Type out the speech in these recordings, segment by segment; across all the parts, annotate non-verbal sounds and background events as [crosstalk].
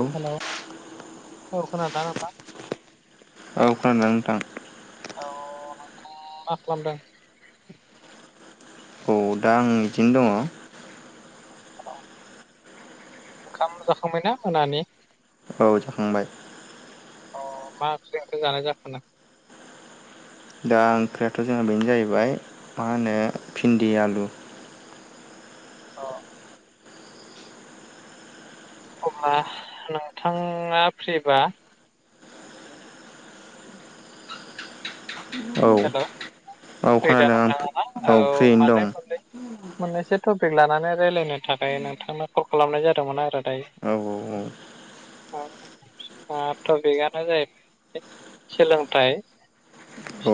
औ हेल' औ खोनादोंना नोंथां। औ खोनादोंना नोंथां। औ मा खालामदों? औ दा आं बिदिनो दङ। औ ओंखाम जाखांबाय ना मोनानि? औ जाखांबाय। अ मा ओंख्रि ओंखाम जानाय जाखोनो दा ओंख्रियाथ' जोंहा बेनो जाहैबाय मा होनो भिन्दि आलु अ अब्ला नोंथाङा फ्रिबा औ हेल' फ्रिदा खोनादों आं नोंथाङा ना औ फ्रियैनो दं मानो मोननै मोननैसो टपिक लानानै रायज्लायनो थाखाय नोंथांनो कल खालामनाय जादोंमोन आरो दायो औ-औ-औ ओ टपिकआनो जाहैबाय सोलोंथाइ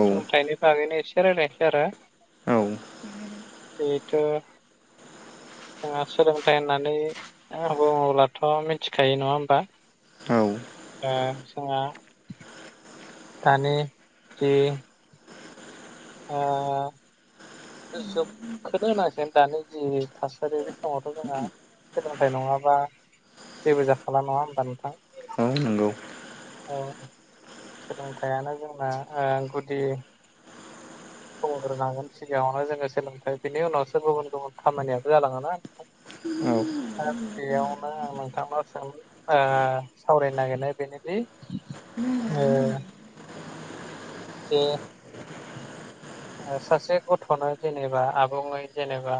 औ बागैनो एसे रायज्लायनोसै आरो औ बेथ' जोंहा सोलोंथाइ होननानै आं बुङोब्लाथ' मिथिखायो नङा होमबा। औ ओ जोंहा दानि जे ओ जुगखौनो होननांसिगोन दानि जि थासारि बे समावथ' जोंहा सोलोंथाइ नङाबा जेबो जाखाला नङा होमबा नोंथां औ नोंगौ। औ सोलोंथाइयानो जोंना ओ गुदि खबर होनांगोन सिगाङावनो जोङो सोलोंथाइ बिनि उनावसो गुबुन-गुबुन खामानियाबो जालाङोना नोंथां। औ ससेयावनो नोंथां सों ओ सावरायनो नागिरनाय बेनोदि जे सासे गथ'नो जेनेबा आबुङै जेनेबा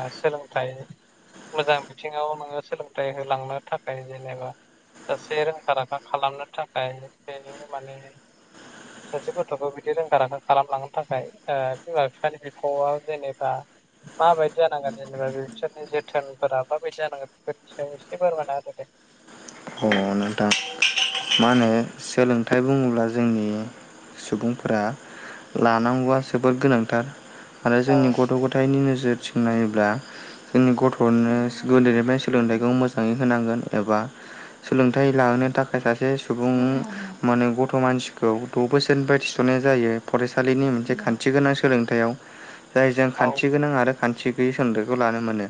ओ सोलोंथाइ मोजां बिथिङाव नोङो सोलोंथाइ होलांनो थाखाय जेनेबा सासे रोंखा-राखा खालामनो थाखायनो माने सासे गथ'खौ बिदि रोंखा राखा खालामलांनो थाखा य ओमफ्राय ओ बिमा-बिफानि बिफ'आव जेनेबा माबायदि जानांगोन जेनेबा बिसोरनि जोथोनफोरा माबायदि जानांगोन बेफोर [unintelligible] अ नोंथां मा होनो सोलोंथाइ बुङोब्ला जोंनि सुबुंफोरा लानांगौआ जोोबद गोनांथार आरो औ जोंनि गथ' गथथाय थाइनि नोजोरथिं नायोब्ला जोंनि गथ'नो गोदोनिफ्राय सोलोंथाइखौ मोजाङै होनांगोन एबा सोलोंथाइ लाहोनो थाखाय सासे सुबुं [inaudible] माने गथ' मानसिखौ द' बोसोरनिफ्राय थिसननाय जायो फरायसालिनि मोनसे खान्थि गोनां सोलोंथायाव [inaudible] जाय जों औ खान्थि गोनां आरो खान्थि गैयि सोलोंथाइखौ लानो मोनो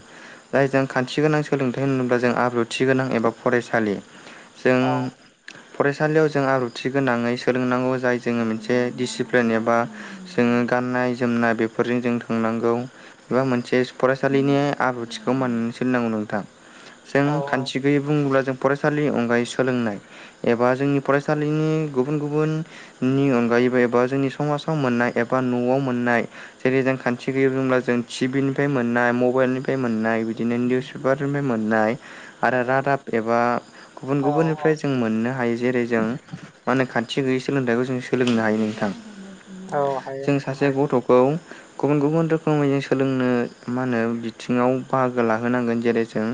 जाय जों खान्थि गोनां सोलोंथाइ होनोब्ला जों आब्रुथि गोनां एबा फरायसालि जों औ फरायसालियाव जों आुथि गोनाङै सोलोंनांगौ जाय जोङो मोनसे दिडिसिप्लिन एबा जोङो गाननाय जोमनाय बेफोरजों जों थांनांगौ एबा मोनसे फरायसालिनि आब्रुथिखौ मनो सोलिनांगौ नोंथां जों औ खान्थि गैयि बुङोब्ला जों फरायसालिनि अनगायै सोलोंनाय एबा जोंनि फरायसालिनि गुबुन गुबुन नि अनगायैबो एबा जोंनि समाजाव मोननाय एबा न'आव मोननाय जेरै जों खान्थि गैयै बुंोंब्ला जों टिभिनिफ्राय मोननाय मबाइलनिफ्राय मोननाय बिदिनो निउस पेपार मोननाय आरो रादाब एबा गुबुन औ गुबुननिफ्राय जों मोननो हायो जेरै जों मा होनो खाथि गैयै सोलोंथाइखौ जों सोलोंनो हायो नोंथां। औ हायो जों नोंथां सासे हायो गथ'खौ गुबुन गुबुन रोखोमै जों सोलोंनो मा होनो बिथिङाव बाहागो लाहोनांगोन जेरै जों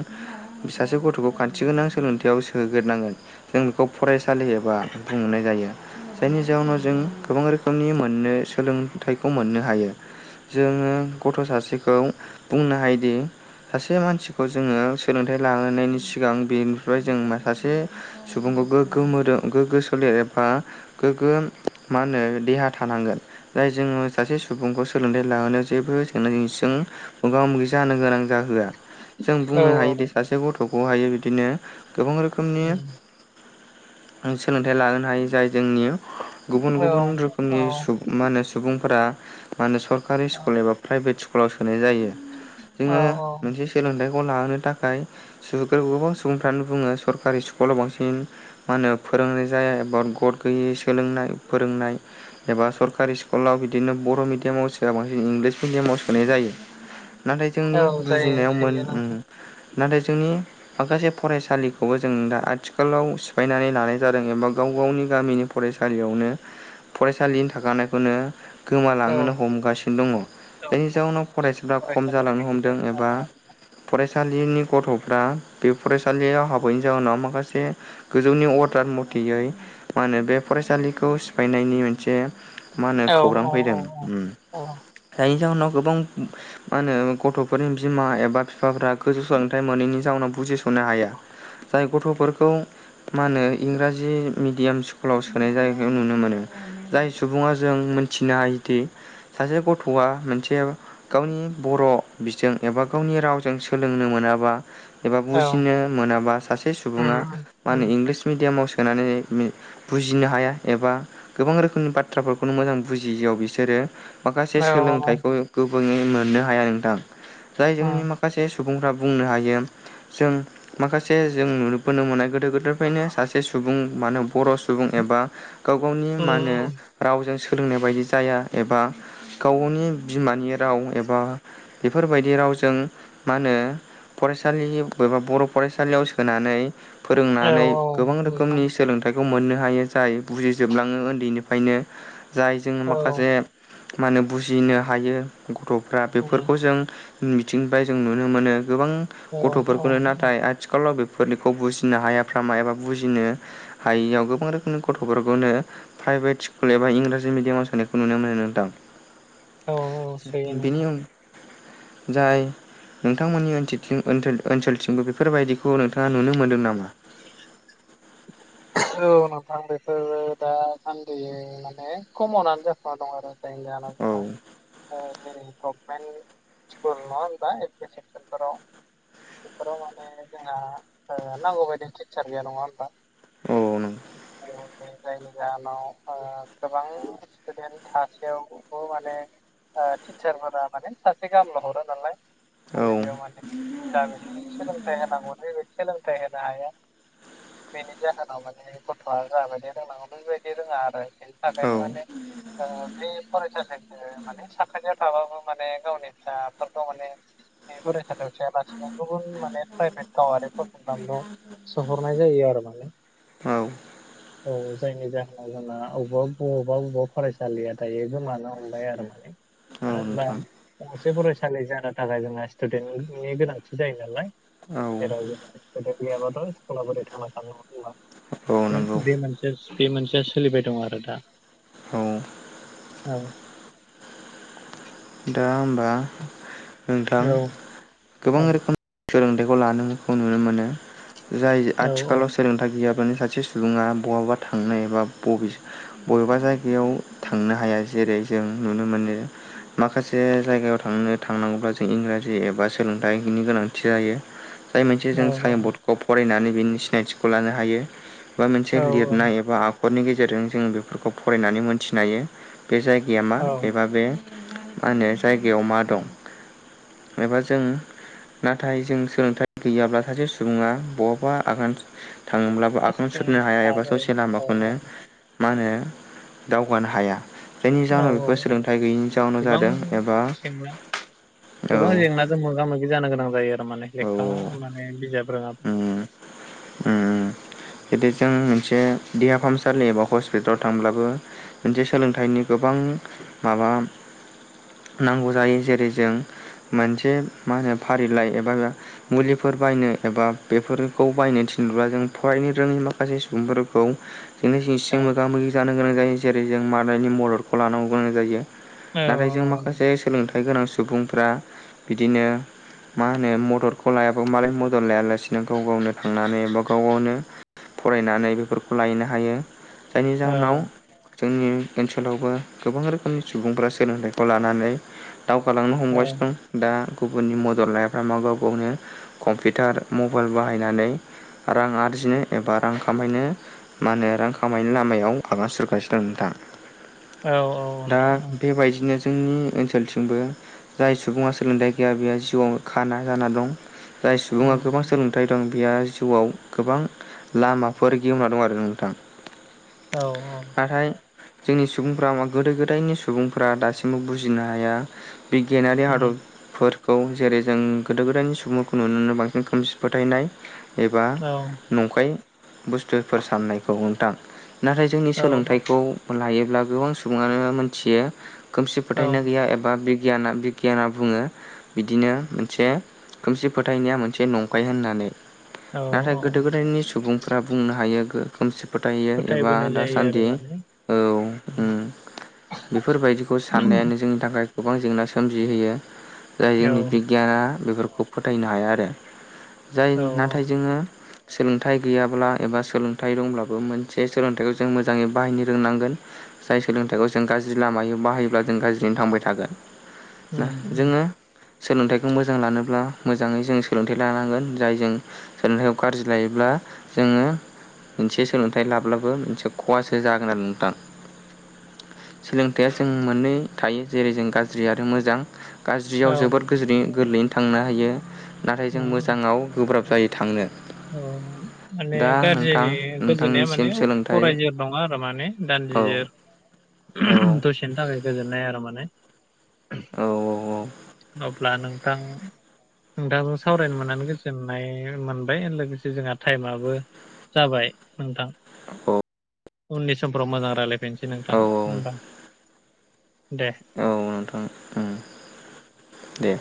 बि सासे गथ'खौ रखान्थि गोनां सोलोंथायाइयाव सोोग्रनांगोन जों बेखौ फरायसालि एबा बुंहनाय जायो। जायनि जााहोनाव जों गोबां रोखोमनि मोननो सोलोंथाइखौ मोननो हायो। जोङो गथ' सासेखौ बुंनो हायोदि सासे मानसिखौ जोङो सोलोंथाइ लालायनानि सिगां बेनिफ्राय जों सासे सुबुंखौ गोग्गो मोदोम गोग्गो सोलेर एबा गोग्गो मा होनो देहा थानांगोन जाय जोङो सासे सुबुंखौ सोलोंथाइ लाहोनायाव जेबो जेंना जेसिजों मोगा मोगि जानो गोनां जाहोआ जों औ बुंनो हायोदि सासे गथ'खौहायो बिदिनो गोबां रोखोमनि सोलोंथाइ लाबोनो हायो जाय जोंनि गुबुन औ गुबुन औ रोखोमनि सुबुं मा होनो सुबुंफोरा मा होनो सरकारि स्कुल एबा प्राइभेट स्कुलाव सोनाय जायो औ जोङो मोनसे सोलोंथायाइखौ लहोनो थाखाय गोबां सुबुंफ्रानो बुङो सरकारि स्कुलाव बांसिन मा होनो फोरोंनाय जाया एबा गड गैयै सोलोंनाय फोरोंनाय एबा सरकारि स्कुलाव बिदिनो बर' मिडियामाव सोआ बांसिन इंलिस मिडियामाव सोनाय जायो [inaudible] नाथाय जोंनि औ जायो बुजिनायाव मोन सैयो नोंथां नाथाय जोंनि माखासे फरायसालिखौबो जों दा आथिखालाव सिफायनानै लानाय जादों एबा गाव गावनि गामिनि फरायसालियावनो फरायसालिनि थाखानायखौनो औ गोमालांहोनो हमगासिनो दङ जायनि औ जाउनाव फरायसाफ्रा खम जालांनो हमदों एबा फरायसाफोरनि फरायसालिनि गथ' दा बे फरायसालियाव हाबैनि जाउोनाव माखासे गोजौनि अर्दार मथेयै मा होनो बे फरायसालिखौ सिफायनायनि मोनसे मा होनो औ खौरां फैदों औ जायनि जाहोनाव गोबां मा होनो गथ'फोरनि बिमा एबा बिफाफ्रा गोजौ सोलोंथाइ मोनोैनि हिन जाावनाव बुजिस'नो हाया जाय गथ'फोरखौ मा होनो इंराजि मिडियाम स्कुलाव सोनाय जायखौ नुनो मोनो जाय सुबुङा जों मिथिनो हायोदि सासे गथ'आ मोनसे गावनि बर' बिजों एबा गावनि रावजों सोलोंनो मोनाबा एबा औ बुजिनो मोनाबा सासे उम सुबुङा उम मा उम होनो इंलिस मिडियामाव सोनानै बुजिनो हाया एबा गोबां रोखोमनि बाथ्राफोरखौनो मोजां बुजियियाव बिसोरो औ माखासे सोलोंथाइखौ गोबोयै मोननो हाया नोंथां जाय उम जोंनि माखासे माखासे सुबुंफ्रा बुंनो हायो जों माखासे जों नुबोनो मोननाय गोदो गोदायनिफ्रायनो सासे सुबुं मानो बर' सुबुं एबा गाव गावनि मा होनो उम रावजों सोलोंनाय बायदि जाया एबा गाव गावनि बिमानि राव एबा बेफोरबायदि रावजों मा होनो फरायसालि एबा बर' फरायसालियाव सोनानै औ फोरोंनानै गोबां नोंथां रोखोमनि सोलोंथ फेथाइखौ मोननो हायो जाय बुजिजोबलाङो उन्दैनिफ्रायनो जाय जों औ माखासे मा होनो बुजिनो हायो गथ'फ्रा उम बेफोरखौ जों मिथिंनिफ्राय जों नुनो मोनो गोबां औ औ गथ'फोरखौनो नाथाय आथिखाल सथिखलाव बेनिखौ बुजिनो हायाफामा एबा बुजिनो हायियाव गोबां रोखोमनि गथ'फोरखौनो प्राइभेट स्कुल एबा इंराजि मिडियामाव सोननायखौ नुनो मोनो नोंथां औ औ सैयो नोंथां बेनिन जाय नोंथांमोननि ओनोल ओनसोलथिंबो बेफोरबायदिखौ नोंथाङा नुनो मोनदों नामा ए औ नोंथां बेफोरो दा सान्दिै माने खमावनानै जाखा दं आरो ाय जा औ गभमेन्ट स्कुल नङा होनबा ए सिक्सनफोराव बेफोराव माने जोंहा नांगौ बायदि टिचार गैया नङा होनबा औ न जायनि जाहोनाव गोबां टुडेन्टास माने ओ टिचारफोरा माने सासे गामल' हरो नालाय औ माने बेयाव माने दा बि सोलोंथाइ होनांगौ [unintelligible] सोलोंथाइ होनो हाया। बेनि जाहोन माने गथ'आ जाबायदि रोंनांगौ बेबायदि रोङा आरो बेनि औ थाखायनो माने ओ बे फरायसा [unintelligible] माने साखायाव थाबाबो माने गावनि फिसाफोरखौ माने फरायसालियाव थायालासिनो गुबुन माने प्राइभेट गावारि फोरसनांगौ सोहरनाय जायो आरो माने औ औ जायनि जाहोनाव जोंना अबा बबेबा बबेबा फरायसालिया दायो गोमानो हमबाय आरो माने। औ आरो बा नोंथां गंसे फरायसालि जानो थाखाय जोंना स्टुडेन्टनि गोनांथि जायो नालाय औ [inaudible] गैयाबाथ' स्कुला बोरै थांना थानागौ जोंना। औ नोंगौ। बे मोनसे बे मोनसेया सोलिबाय दं आरो दा। औ औ। दा होमबा नोंथां औ गोबां रोखोम‌ सोलोंथाइखौ लानायखौ नुनो मोनो। जाय औ आथिखालाव सोलोंथाइ गैयाब्लानो सासे सुबुङा बहाबा थांनाय एबा बबे बबेबा जायगायाव थांनो हाया जेरै जों नुनो मोनो माखासे जायगायाव थांनो थांनांगौब्ला जों इंराजि एबा सोलोंथायाइनि गोनांथि जायो। जाय मोनसे औ जों सायन बर्डखौ फरायनानै बिनि सिनायथिखौ लानो हायो। बा मोनसे औ लिरनाय एबा आखरनि गेजेरजों जों बेफोरखौ फरायनानै मोन्थिनो हायो। बे जायगाया मा औ औ एबा बे मा होनो जायगायाव मा दं। एबा जों नाथाय जों सोलोंथाइ गैयाब्ला सासे सुबुङा बहाबा आगान थाङोब्लाबो आखाम सुरनो हाया एबा ससे लामाखौनो मा होनो दावगानो हाया। जायनि जाहोनाव बेफोर सोलोंथाइ गैयिनि गोबां जेंना औ गोबां जें नाजों मोगा मोगि जानो गोनां जायो आरो माने औ लेखा माने बिजाब रोङा उम उम [unintelligible] जुदि जों मोनसे देहा फाहामसालि एबा हस्पिटालाव थांब्लाबो मोनसे सोलोंथाइनि गोबां माबा नांगौ जायो जेरै जों मोनसे मा होनो फारिलाइ एबा मुलिफोर बायनो एबा बेफोरखौ बायनो थिनब्ला जों फरायनो रोङै माखासे सुबुंफोरखौ बिदिनो सिं औ सिं मोगा मोगि जानो गोनां जायो जेरै जों मादायनि मददखौ लानांगौ गोनां जायो। औ नाथाय जों माखासे सोलोंथाइ गोनां सुबुंफ्रा बिदिनो मा होनो मददखौ लायाबो मालाय मदद लायालासिनो गाव गावनो थांनानै एबा गाव गावनो फरायनानै बेफोरखौ लायनो हायो। जायनि औ जाहोनाव जोंनि ओनसोलावबो गोबां रोखोमनि सुबुंफ्रा सोलोंथाइखौ लानानै दावगालांनो औ हमगासिनो दं दा गुबुननि मदद लाया [unintelligible] गाव गावनो बेटार मबाइल बाहायनानै रां आरजिनो एबा रां खामायनो मा होनो रां खामायनायनि लामायाव आगान सुरगासिनो दं नोंथां। औ दा नोंथां औ बेबायदिनो जोंनि ओनसोलथिंबो जाय सुबुङा सोलोंथाइ गैया बेया जिउआव खाना जाना दं। जाय सुबुङा गोबां उम सोलों थाय दं बेयो जिउआव गोबां लामाफोर गेवना दं आरो नोंथां। औ औ। नाथाय जोंनि सुबुंफ्रा गोदो गोदायनि सुबुंफ्रा दासिमबो बुजिनो हाया बिगियानारि उम आदबफोरखौ जेरै जों गोदो गोदायनि सुबुं नुनो बांसिन खोमसि फोथायनाय एबा औ नंखाय बुस्थुफोर साननायखौ नोंथां नाथाय जोंनि औ सोलोंथाइखौ लायोब्ला गोबां सुबुङानो मोनथियो खोमसि औ फोथायनाय गैया एबा बिगियाना बिगियाना बुङो बिदिनो मोनसे खोमसि फोथायनाया मोनसे नंखाय होननानै। औ नाथाय गोदो औ गोदायनि सुबुंफोरा बुंनो हायो गो खोमसि फोथायहैयो एबा फोथायबोनाय जायो आरो दासान्दि माने औ उम। बेफोरबायदिखौ सान्नायानो जोंनि थाखाय गोबां जेंना सोमजिहोयो जाय औ जोंनि बिगियाना बेफोरखौ फोथायनो हाया आरो जाय औ नाथाय जोङो सोलोंथाइ गैयाब्ला एबा सोलोंथाइ दंब्लाबो मोनसे सोलोंथाइखौ जों मोजाङै बाहायनो रोंनांगोन जाय सोलोंथाइखौ जों गाज्रि लामायाव बाहायोब्ला जों गाज्रियैनो थांबाय थागोन ना उम उम जोङो सोलोंथायाइखौ मोजां लानोब्ला मोजाङै जों सोलोंथाइ लानांगोन जाय जों सोलोंथाइखौ गाज्रि लायोब्ला जोङो मोनसे सोलोंथाइ लाब्लाबो मोनसे खहासो जागोन आरो नोंथां सोलोंथाइया जों मोननै थायो जेरै जों गाज्रि आरो मोजां औ गाज्रियाव जोबोर गोरलैयैनो थांनो हायो नाथाय जों उम मोजाङाव गोब्राब जायो थांनो। औ माने दा नोंथां गाज्रिनि गोजोननाया नोंथांनिसिम माने सोलोंथाइ फरायै नङा आरो माने औ दान्दिजोर औ दसेनि थाखाय गोजोननाय आरो माने औ अब्ला नों थां नोंथां सावरायनो मोननानै गोजोननाय मोन बाय लोगोसे जोंहा टाइमाबबो जाबाय नोंथां। अ उननि समफ्राव मोजां रायज्लायफिननोसै नोंथां औ औ हबा दे। औ नोंथां ओम दे।